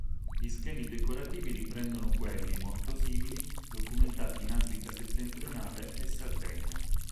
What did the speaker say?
Gli schemi decorativi riprendono quelli, molto simili, documentati in Africa settentrionale e Sardegna.